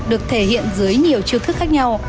được thể hiện dưới nhiều chiêu thức khác nhau